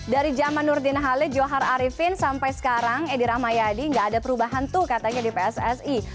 dari zaman nur dina halil johar arifin sampai sekarang edi ramayadi gak ada perubahan tuh katanya di pssi